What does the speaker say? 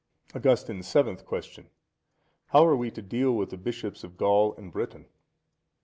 Augustine's Seventh Question.—How are we to deal with the bishops of Gaul and Britain?